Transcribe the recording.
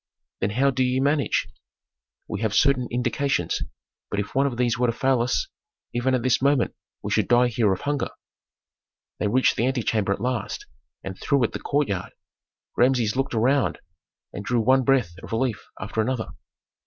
"Then how do ye manage?" "We have certain indications, but if one of these were to fail us, even at this moment we should die here of hunger." They reached the antechamber at last and through it the courtyard. Rameses looked around and drew one breath of relief after another.